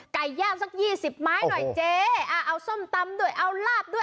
ไก่ย่างสักยี่สิบไม้หน่อยเจ๊อ่าเอาส้มตำด้วยเอาลาบด้วย